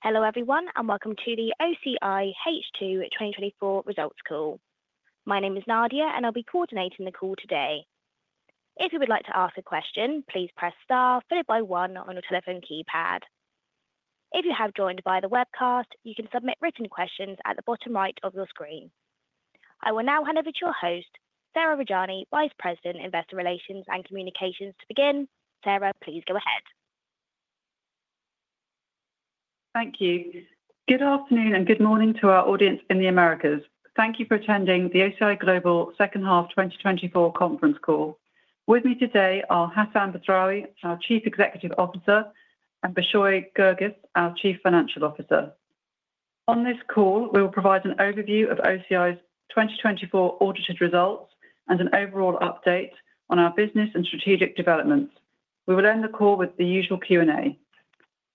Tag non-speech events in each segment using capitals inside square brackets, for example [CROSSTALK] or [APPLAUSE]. Hello everyone, and welcome to the OCI H2 2024 Results Call. My name is Nadia, and I'll be coordinating the call today. If you would like to ask a question, please press star followed by one on your telephone keypad. If you have joined via the webcast, you can submit written questions at the bottom right of your screen. I will now hand over to your host, Sarah Rajani, Vice President, Investor Relations and Communications to begin. Sarah, please go ahead. Thank you. Good afternoon, and good morning to our audience in the Americas. Thank you for attending the OCI Global Second Half 2024 Conference Call. With me today are Hassan Badrawi, our Chief Executive Officer, and Beshoy Guirguis, our Chief Financial Officer. On this call, we will provide an overview of OCI's 2024 audited results, and an overall update on our business and strategic developments. We will end the call with the usual Q&A.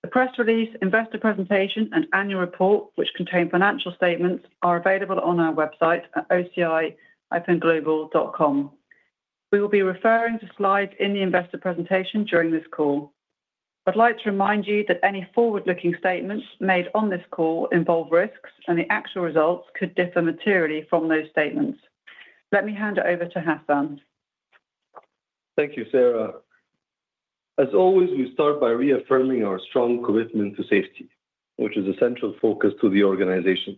The press release, investor presentation, and annual report which contain financial statements, are available on our website at oci-global.com. We will be referring to slides in the investor presentation during this call. I'd like to remind you that any forward-looking statements made on this call involve risks, and the actual results could differ materially from those statements. Let me hand it over to Hassan. Thank you, Sarah. As always, we start by reaffirming our strong commitment to safety, which is a central focus to the organization.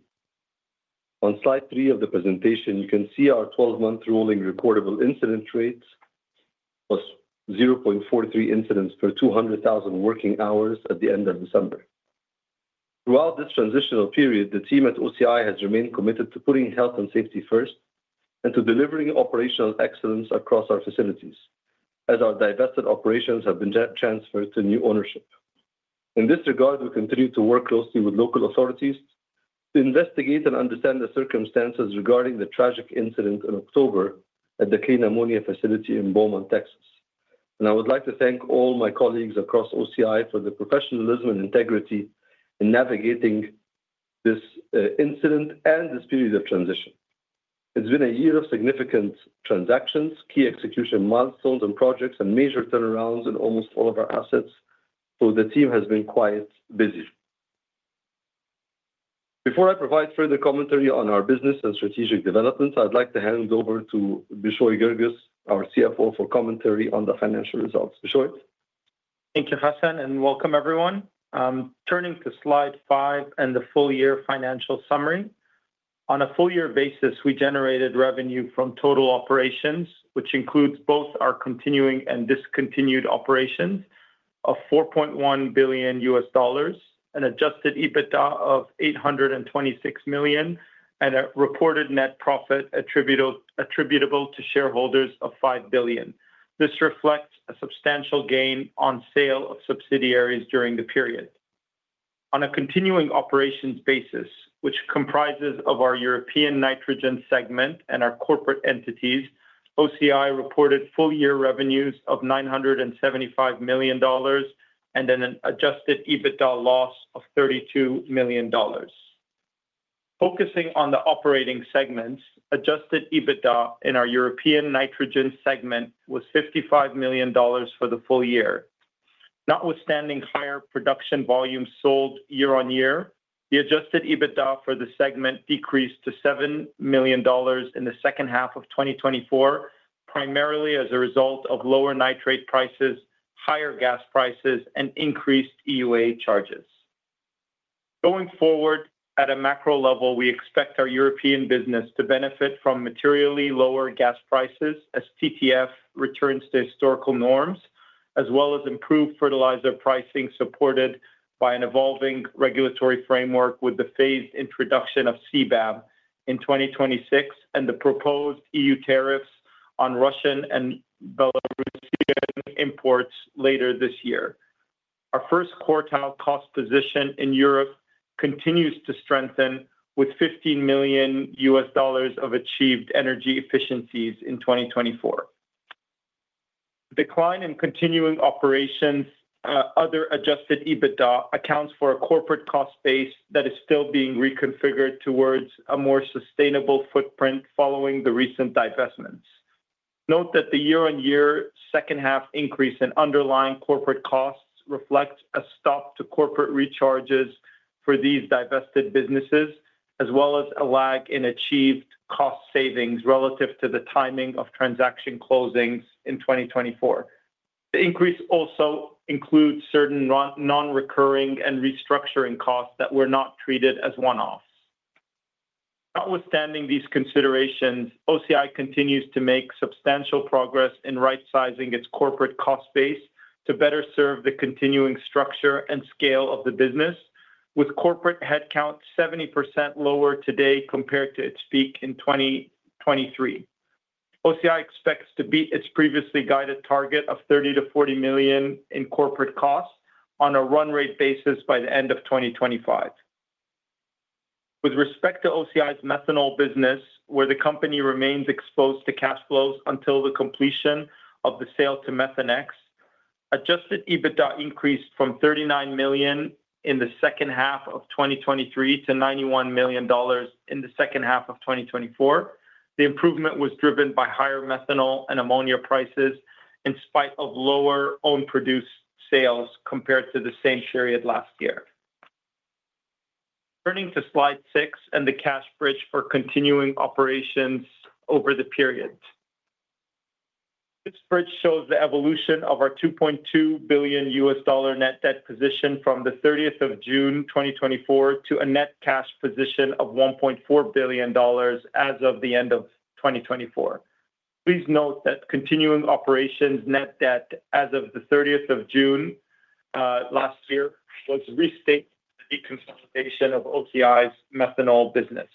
On slide three of the presentation, you can see our 12-month rolling reportable incident rates of 0.43 incidents per 200,000 working hours at the end of December. Throughout this transitional period, the team at OCI has remained committed to putting health and safety first, and to delivering operational excellence across our facilities, as our divested operations have been transferred to new ownership. In this regard, we continue to work closely with local authorities, to investigate and understand the circumstances regarding the tragic incident in October at the Clean Ammonia facility in Beaumont, Texas. I would like to thank all my colleagues across OCI for the professionalism and integrity in navigating this incident, and this period of transition. It's been a year of significant transactions, key execution milestones and projects, and major turnarounds in almost all of our assets, so the team has been quite busy. Before I provide further commentary on our business and strategic developments, I'd like to hand over to Beshoy Guirguis, our CFO for commentary on the financial results. Beshoy? Thank you, Hassan and welcome everyone. I'm turning to slide five and the full-year financial summary. On a full-year basis, we generated revenue from total operations, which includes both our continuing and discontinued operations of $4.1 billion, an adjusted EBITDA of $826 million, and a reported net profit attributable to shareholders of $5 billion. This reflects a substantial gain on sale of subsidiaries during the period. On a continuing operations basis, which comprises our European nitrogen segment and our corporate entities, OCI reported full-year revenues of $975 million and an adjusted EBITDA loss of $32 million. Focusing on the operating segments, adjusted EBITDA in our European nitrogen segment was $55 million for the full year. Notwithstanding higher production volumes sold year-on-year, the adjusted EBITDA for the segment decreased to $7 million in the second half of 2024, primarily as a result of lower nitrate prices, higher gas prices, and increased EUA charges. Going forward at a macro level, we expect our European business to benefit from materially lower gas prices as TTF returns to historical norms, as well as improved fertilizer pricing supported by an evolving regulatory framework with the phased introduction of CBAM in 2026, and the proposed EU tariffs on Russian and Belarusian imports later this year. Our first quartile cost position in Europe continues to strengthen, with $15 million of achieved energy efficiencies in 2024. Decline in continuing operations, and other adjusted EBITDA accounts for a corporate cost base that is still being reconfigured towards a more sustainable footprint following the recent divestments. Note that the year-on-year second-half increase in underlying corporate costs reflects a stop to corporate recharges for these divested businesses, as well as a lag in achieved cost savings relative to the timing of transaction closings in 2024. The increase also includes certain non-recurring and restructuring costs that were not treated as one-offs. Notwithstanding these considerations, OCI continues to make substantial progress in right-sizing its corporate cost base, to better serve the continuing structure and scale of the business, with corporate headcount 70% lower today compared to its peak in 2023. OCI expects to beat its previously guided target of $30 million-$40 million in corporate costs on a run rate basis by the end of 2025. With respect to OCI's methanol business, where the company remains exposed to cash flows until the completion of the sale to Methanex, adjusted EBITDA increased from $39 million in the second half of 2023 to $91 million in the second half of 2024. The improvement was driven by higher methanol and ammonia prices, in spite of lower own-produced sales compared to the same period last year. Turning to slide six and the cash bridge for continuing operations over the period. This bridge shows the evolution of our $2.2 billion US dollar net debt position from the 30th of June 2024, to a net cash position of $1.4 billion as of the end of 2024. Please note that continuing operations net debt as of the 30th of June last year was [AUDIO DISTORTION] of OCI's methanol business.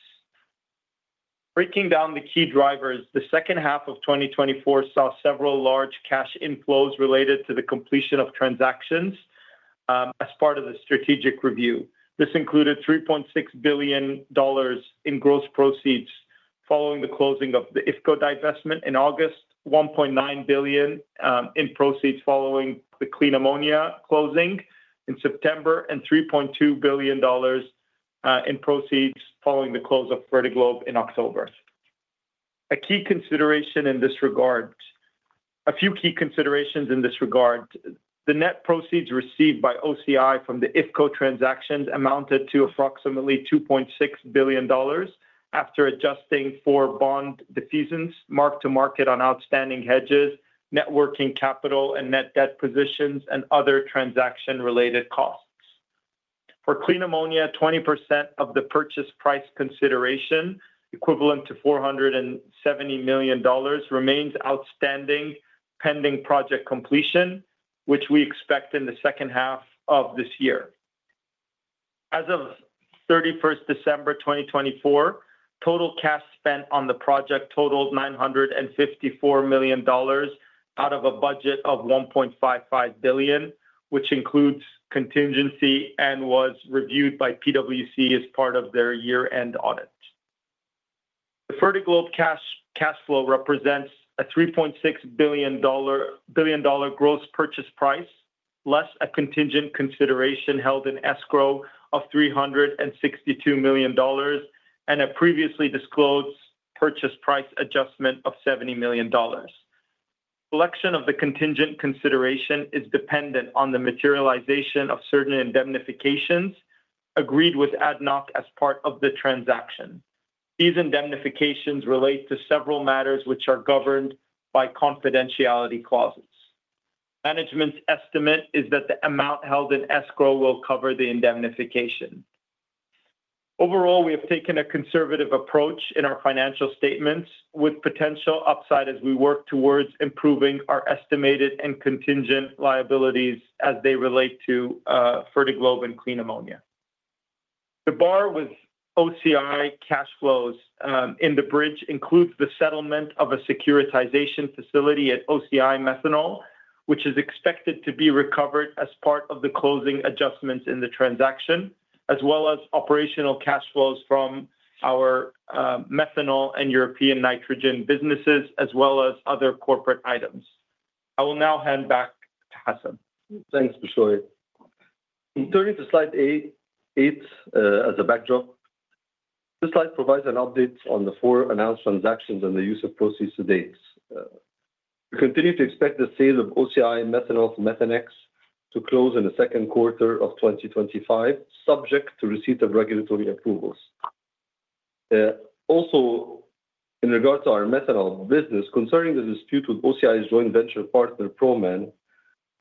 Breaking down the key drivers, the second half of 2024 saw several large cash inflows related to the completion of transactions as part of the strategic review. This included $3.6 billion in gross proceeds, following the closing of the IFCO divestment in August, $1.9 billion in proceeds, following the Clean Ammonia closing in September and $3.2 billion in proceeds following the close of Fertiglobe in October. A a few key considerations in this regard, the net proceeds received by OCI from the IFCO transactions amounted to approximately $2.6 billion after adjusting for bond decisions marked to market on outstanding hedges, net working capital and net debt positions, and other transaction-related costs. For Clean Ammonia, 20% of the purchase price consideration equivalent to $470 million remains outstanding pending project completion, which we expect in the second half of this year. As of 31st December 2024, total cash spent on the project totaled $954 million out of a budget of $1.55 billion, which includes contingency and was reviewed by PwC as part of their year-end audit. The Fertiglobe cash flow represents a $3.6 billion gross purchase price, less a contingent consideration held in Escrow, of $362 million and a previously disclosed purchase price adjustment of $70 million. Selection of the contingent consideration is dependent on the materialization of certain indemnifications agreed with ADNOC as part of the transaction. These indemnifications relate to several matters which are governed by confidentiality clauses. Management's estimate is that the amount held in Escrow will cover the indemnification. Overall, we have taken a conservative approach in our financial statements, with potential upside as we work towards improving our estimated and contingent liabilities as they relate to Fertiglobe and Clean Ammonia. The bar with OCI cash flows in the bridge includes the settlement of a securitization facility at OCI Methanol, which is expected to be recovered as part of the closing adjustments in the transaction, as well as operational cash flows from our methanol and European nitrogen businesses, as well as other corporate items. I will now hand back to Hassan. Thanks, Beshoy. Turning to slide eight as a backdrop, this slide provides an update on the four announced transactions and the use of proceeds to date. We continue to expect the sale of OCI Methanol to Methanex to close in the second quarter of 2025, subject to receipt of regulatory approvals. Also, in regards to our methanol business, concerning the dispute with OCI's joint venture partner, Proman,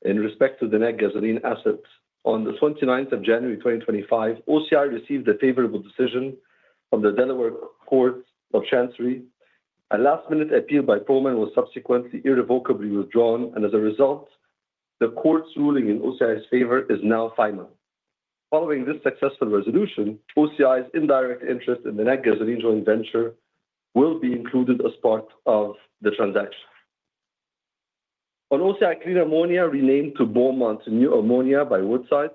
in respect to the net gasoline assets, on the 29th of January 2025, OCI received a favorable decision from the Delaware Court of Chancery. A last-minute appeal by Proman was subsequently irrevocably withdrawn, and as a result, the court's ruling in OCI's favor is now final. Following this successful resolution, OCI's indirect interest in the net gasoline joint venture will be included as part of the transaction. On OCI Clean Ammonia renamed to Beaumont's New Ammonia by Woodside,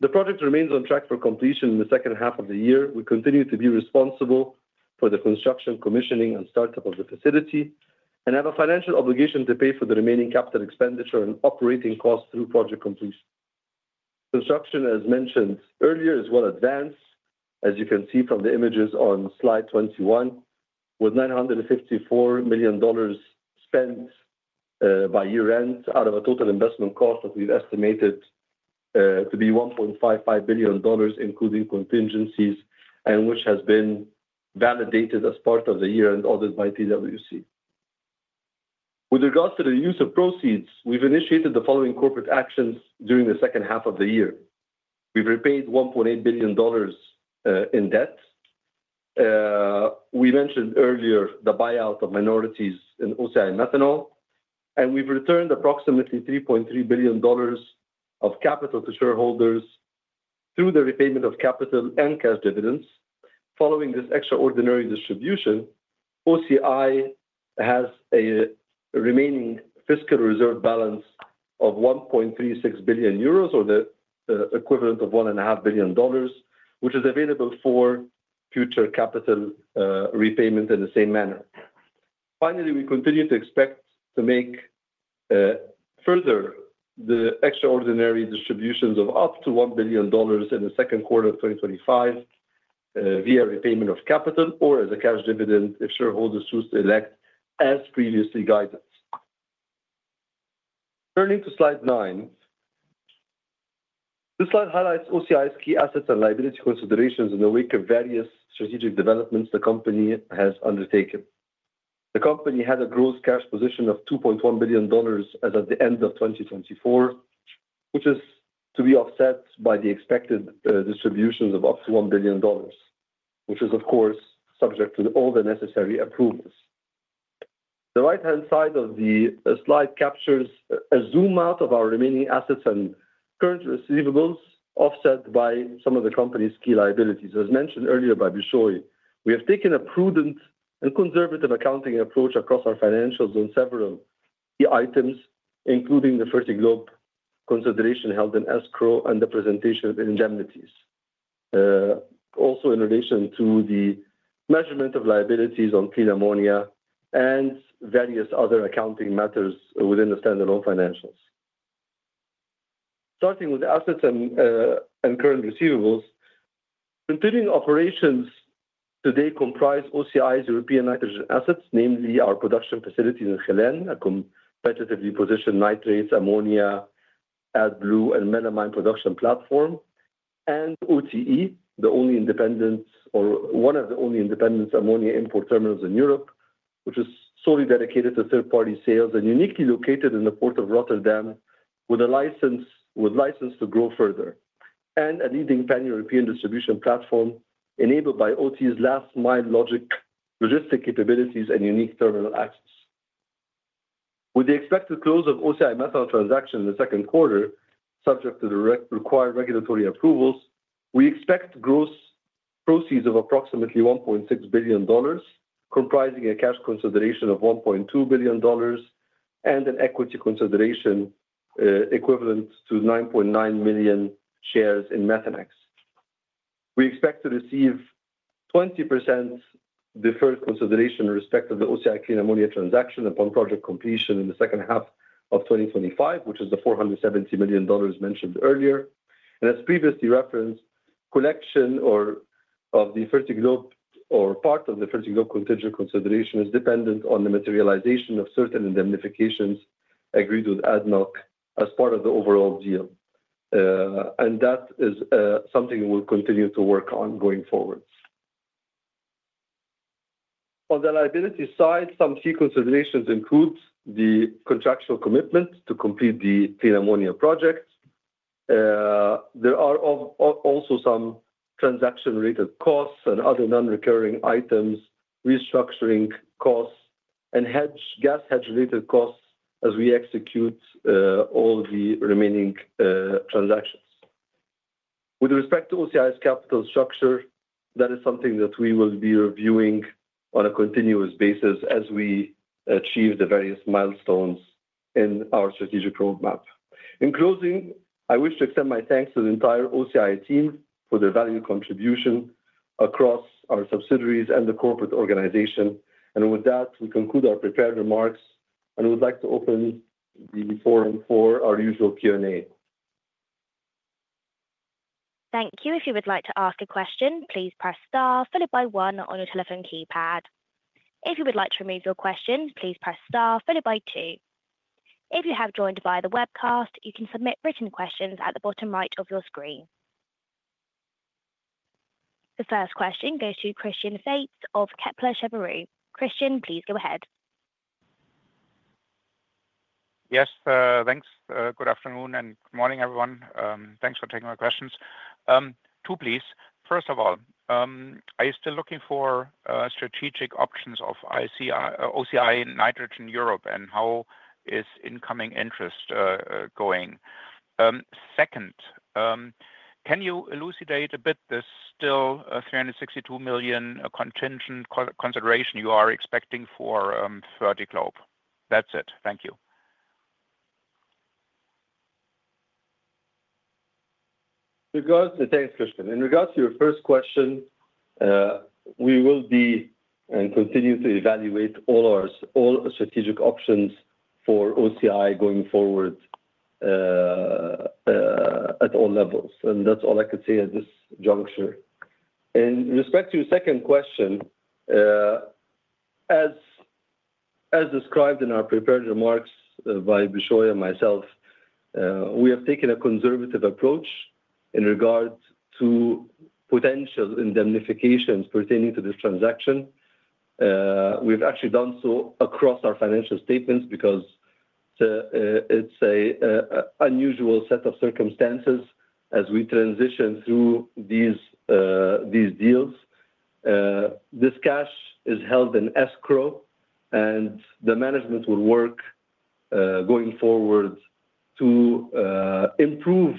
the project remains on track for completion in the second half of the year. We continue to be responsible for the construction, commissioning, and startup of the facility, and have a financial obligation to pay for the remaining capital expenditure and operating costs through project completion. Construction, as mentioned earlier, is well advanced, as you can see from the images on slide 21, with $954 million spent by year-end out of a total investment cost that we've estimated to be $1.55 billion, including contingencies, and which has been validated as part of the year-end audit by PwC. With regards to the use of proceeds, we've initiated the following corporate actions during the second half of the year. We've repaid $1.8 billion in debt. We mentioned earlier the buyout of minorities in OCI Methanol, and we've returned approximately $3.3 billion of capital to shareholders through the repayment of capital and cash dividends. Following this extraordinary distribution, OCI has a remaining fiscal reserve balance of 1.36 billion euros or the equivalent of $1.5 billion, which is available for future capital repayment in the same manner. Finally, we continue to expect to make further, the extraordinary distributions of up to $1 billion in the second quarter of 2025 via repayment of capital, or as a cash dividend if shareholders choose to elect as previously guided. Turning to slide nine, this slide highlights OCI's key assets and liability considerations in the wake of various strategic developments the company has undertaken. The company had a gross cash position of $2.1 billion as of the end of 2024, which is to be offset by the expected distributions of up to $1 billion, which is of course, subject to all the necessary approvals. The right-hand side of the slide captures a zoom out of our remaining assets, and current receivables offset by some of the company's key liabilities. As mentioned earlier by Beshoy, we have taken a prudent and conservative accounting approach across our financials on several key items, including the Fertiglobe consideration held in Escrow and the presentation of indemnities. Also, in relation to the measurement of liabilities on Clean Ammonia, and various other accounting matters within the standalone financials. Starting with assets and current receivables, continuing operations today comprise OCI's European nitrogen assets, namely our production facilities in Geleen, competitively positioned nitrates, ammonia, AdBlue, and melamine production platform, and OTE, one of the only independent ammonia import terminals in Europe, which is solely dedicated to third-party sales and uniquely located in the Port of Rotterdam with a license to grow further, and a leading pan-European distribution platform enabled by OTE's last-mile logistic capabilities and unique terminal access. With the expected close of OCI Methanol transaction in the second quarter, subject to the required regulatory approvals, we expect gross proceeds of approximately $1.6 billion, comprising a cash consideration of $1.2 billion and an equity consideration equivalent to 9.9 million shares in Methanex. We expect to receive 20% deferred consideration with respect to the OCI Clean Ammonia transaction upon project completion in the second half of 2025, which is the $470 million mentioned earlier. As previously referenced, collection of the Fertiglobe or part of the Fertiglobe contingent consideration is dependent on the materialization of certain indemnifications agreed with ADNOC as part of the overall deal. That is something we'll continue to work on going forward. On the liability side, some key considerations include the contractual commitment to complete the Clean Ammonia project. There are also some transaction-related costs and other non-recurring items, restructuring costs, and gas hedge-related costs as we execute all the remaining transactions. With respect to OCI's capital structure, that is something that we will be reviewing on a continuous basis as we achieve the various milestones in our strategic roadmap In closing, I wish to extend my thanks to the entire OCI team for their valued contribution across our subsidiaries and the corporate organization. With that, we conclude our prepared remarks, and I would like to open the forum for our usual Q&A. Thank you. If you would like to ask a question, please press star followed by one on your telephone keypad. If you would like to remove your question, please press star followed by two. If you have joined via the webcast, you can submit written questions at the bottom right of your screen. The first question goes to Christian Faitz of Kepler Cheuvreux. Christian, please go ahead. Yes, thanks. Good afternoon, and good morning, everyone. Thanks for taking my questions. Two, please. First of all, are you still looking for strategic options of OCI Nitrogen Europe, and how is incoming interest going? Second, can you elucidate a bit the still $362 million contingent consideration you are expecting for Fertiglobe? That's it. Thank you. Thanks, Christian. In regards to your first question, we will be and continue to evaluate all our strategic options for OCI going forward at all levels. That's all I could say at this juncture. In respect to your second question, as described in our prepared remarks by Beshoy and myself, we have taken a conservative approach in regards to potential indemnifications pertaining to this transaction. We've actually done so across our financial statements, because it's unusual set of circumstances as we transition through these deals. This cash is held in Escrow, and the management will work going forward to improve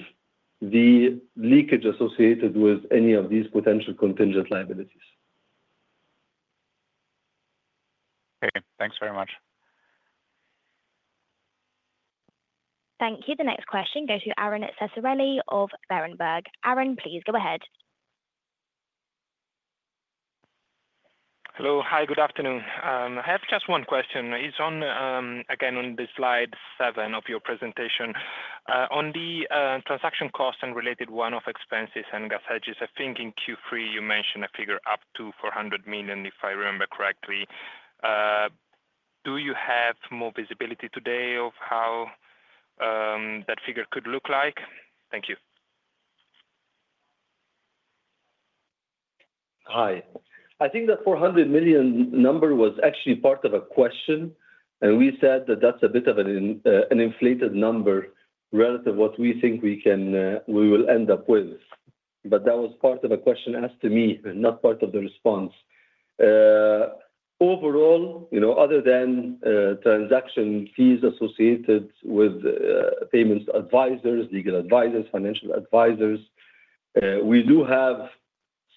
the leakage associated with any of these potential contingent liabilities. Okay, thanks very much. Thank you. The next question goes to Aron Ceccarelli of Berenberg. Aron, please go ahead. Hello. Hi, good afternoon. I have just one question. It's again on the slide seven of your presentation. On the transaction costs and related one-off expenses and gas hedges, I think in Q3, you mentioned a figure up to $400 million, if I remember correctly. Do you have more visibility today of how that figure could look like? Thank you. Hi. I think that $400 million number was actually part of a question, and we've said that that's a bit of an inflated number relative to what we think we will end up with. That was part of a question asked to me, not part of the response. Overall, other than transaction fees associated with payments to advisors, legal advisors, financial advisors, we do have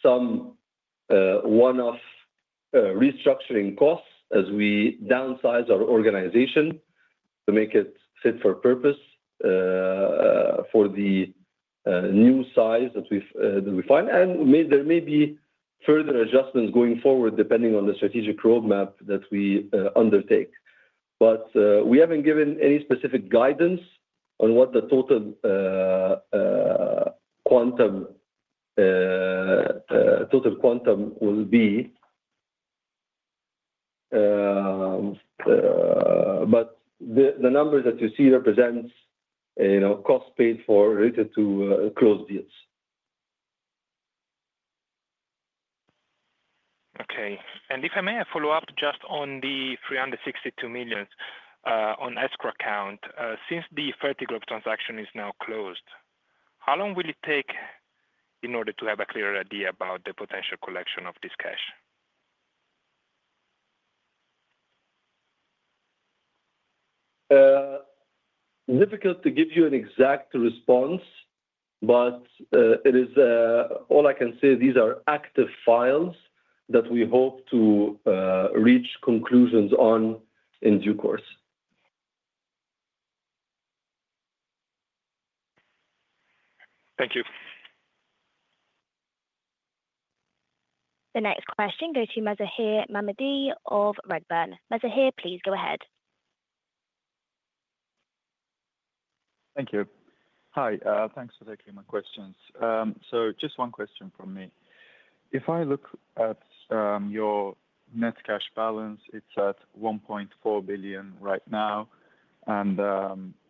some one-off restructuring costs, as we downsize our organization to make it fit for purpose for the new size that we find. There may be further adjustments going forward, depending on the strategic roadmap that we undertake. We haven't given any specific guidance on what the total quantum will be, but the numbers that you see represent costs paid related to closed deals. Okay. If I may, I follow up just on the $362 million on Escrow account. Since the Fertiglobe transaction is now closed, how long will it take in order to have a clearer idea about the potential collection of this cash? Difficult to give you an exact response, but it is all I can say. These are active files that we hope to reach conclusions on in due course. Thank you. The next question goes to Mazahir Mammadli of Redburn. Mazahir, please go ahead. Thank you. Hi, thanks for taking my questions. Just one question from me. If I look at your net cash balance, it's at $1.4 billion right now, and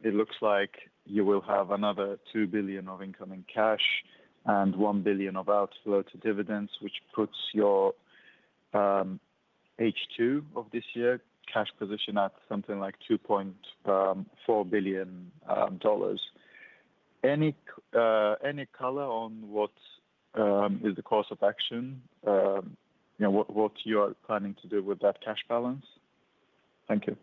it looks like you will have another $2 billion of incoming cash and $1 billion of outflow to dividends, which puts your H2 of this year cash position at something like $2.4 billion. Any color on, what is the course of action, what you are planning to do with that cash balance? Thank you.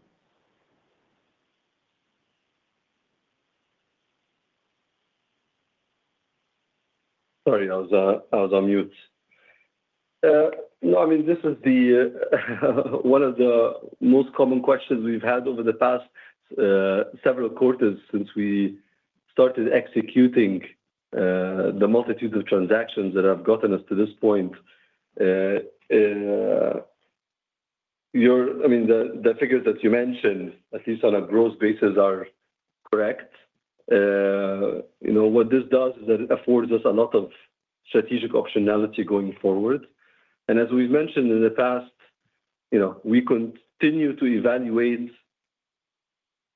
Sorry, I was on mute. No, this is one of the most common questions we've had over the past several quarters, since we started executing the multitude of transactions that have gotten us to this point. I mean, the figures that you mentioned, at least on a gross basis are correct. What this does is it affords us a lot of strategic optionality going forward. As we've mentioned in the past, we continue to evaluate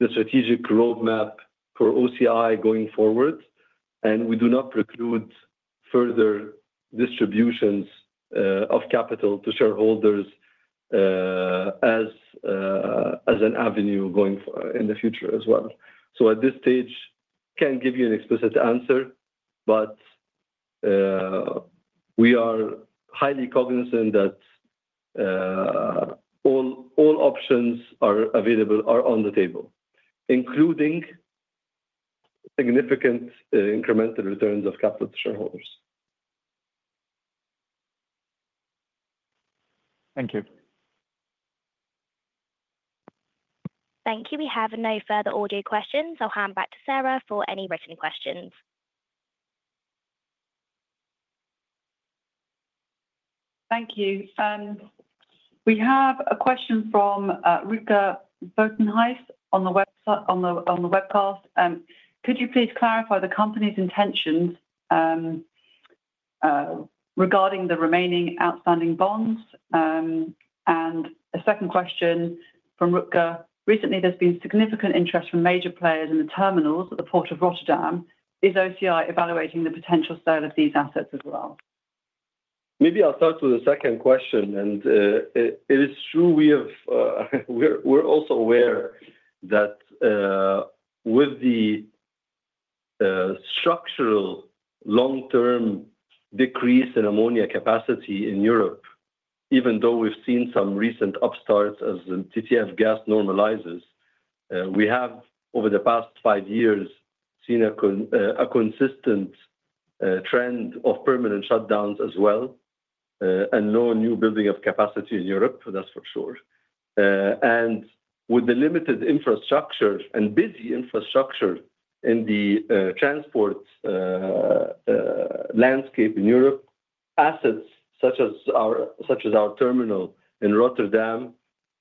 the strategic roadmap for OCI going forward, and we do not preclude further distributions of capital to shareholders as an avenue in the future as well. At this stage, I can't give you an explicit answer, but we are highly cognizant that all options available are on the table, including significant incremental returns of capital to shareholders. Thank you. Thank you. We have no further audio questions. I'll hand back to Sarah for any written questions. Thank you. We have a question from [Ruca Bosch-Heim] on the webcast. Could you please clarify the company's intentions regarding the remaining outstanding bonds? A second question from Ruca, recently, there's been significant interest from major players in the terminals at the Port of Rotterdam. Is OCI evaluating the potential sale of these assets as well? Maybe I'll start with the second question. It is true we're also aware that with the structural long-term decrease in ammonia capacity in Europe, even though we've seen some recent upstarts as TTF gas normalizes, we have over the past five years, seen a consistent trend of permanent shutdowns as well, and no new building of capacity in Europe, that's for sure. With the limited infrastructure and busy infrastructure in the transport landscape in Europe, assets such as our terminal in Rotterdam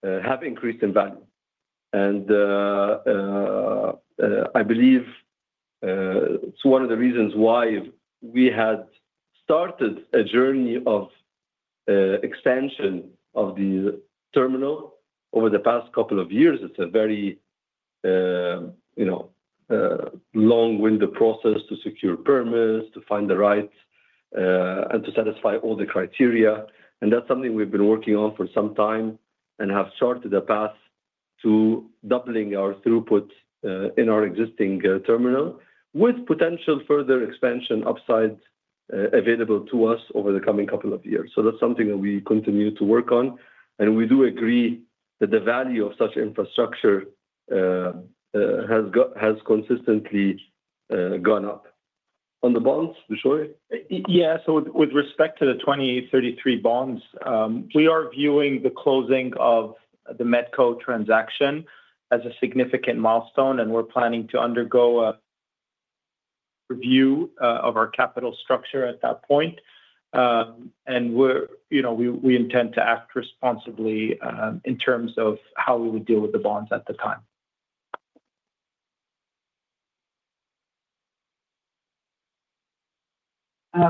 have increased in value. I believe it's one of the reasons why we had started a journey of expansion of the terminal over the past couple of years. It's a very long-winded process to secure permits, and to satisfy all the criteria. That's something we have been working on for some time, and have charted a path to doubling our throughput in our existing terminal, with potential further expansion upside available to us over the coming couple of years. That is something that we continue to work on. We do agree that the value of such infrastructure has consistently gone up. On the bonds, Beshoy? Yeah. With respect to the 2033 bonds, we are viewing the closing of the Metco transaction as a significant milestone, and we are planning to undergo a review of our capital structure at that point. We intend to act responsibly in terms of how we would deal with the bonds at the time.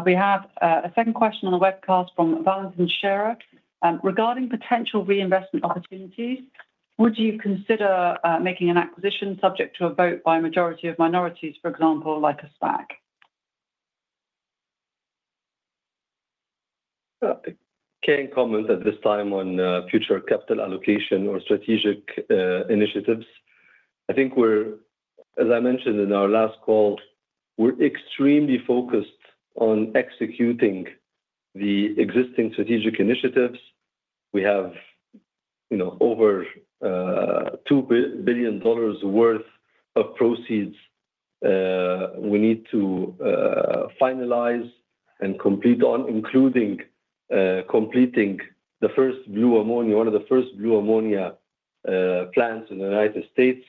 We have a second question on the webcast from [Valentine Sherratt]. Regarding potential reinvestment opportunities, would you consider making an acquisition subject to a vote by a majority of minorities, for example, like a SPAC? I can't comment at this time on future capital allocation or strategic initiatives. I think as I mentioned in our last call, we're extremely focused on executing the existing strategic initiatives. We have over $2 billion worth of proceeds we need to finalize and complete on, including completing one of the first blue ammonia plants in the United States.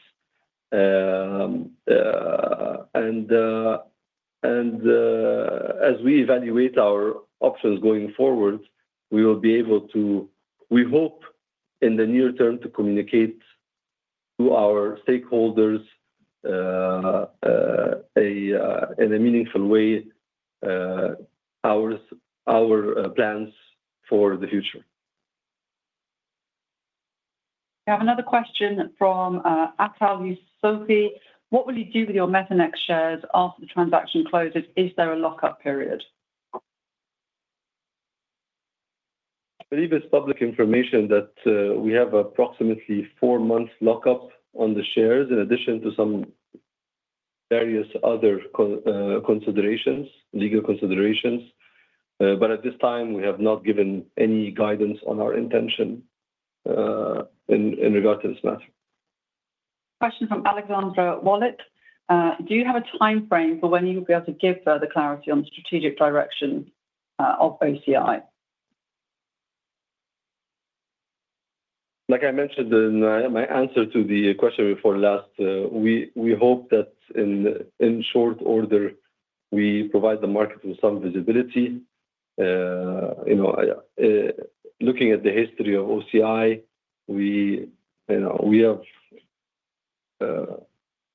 As we evaluate our options going forward, we will be able, we hope in the near term, to communicate to our stakeholders in a meaningful way our plans for the future. We have another question from [Attel Sofi]. What will you do with your Methanex shares after the transaction closes? Is there a lockup period? I believe it's public information that we have approximately four months lockup on the shares, in addition to some various other legal considerations. At this time, we have not given any guidance on our intention in regard to this matter. Question from [Alexandra Wallet]. Do you have a timeframe for when you'll be able to give further clarity on the strategic direction of OCI? Like I mentioned in my answer to the question before last, we hope that in short order, we provide the market with some visibility. Looking at the history of OCI,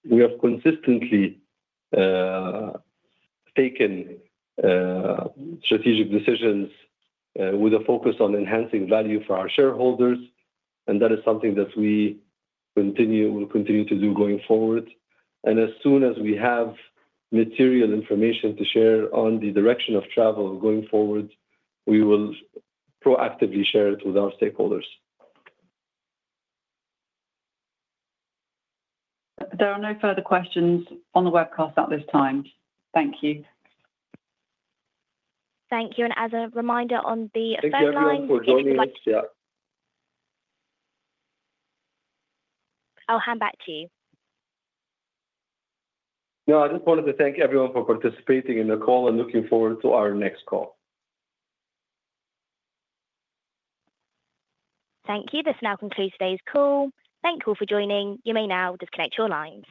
we have consistently taken strategic decisions with a focus on enhancing value for our shareholders. That is something that we will continue to do going forward. As soon as we have material information to share on the direction of travel going forward, we will proactively share it with our stakeholders. There are no further questions on the webcast at this time. Thank you. Thank you. As a reminder on the deadline. Thank you all for joining us, yeah. I'll hand back to you. No, I just wanted to thank everyone for participating in the call, and looking forward to our next call. Thank you. This now concludes today's call. Thank you all for joining. You may now disconnect your lines.